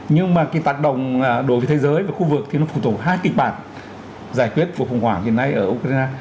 nhưng mà cái tác động đối với thế giới và khu vực thì nó phụ thuộc hai kịch bản giải quyết cuộc khủng hoảng hiện nay ở ukraine